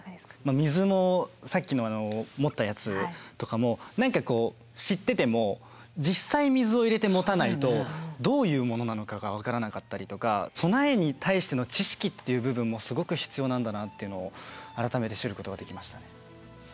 水もさっきのあの持ったやつとかも何かこう知ってても実際水を入れて持たないとどういうものなのかが分からなかったりとか備えに対しての知識っていう部分もすごく必要なんだなっていうのを改めて知ることができましたね。